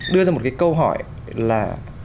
đưa ra một cái câu hỏi là